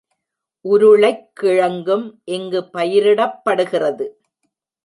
உருளைக்கிழங்கும் இங்கு பயிரிடப்படுகிறது.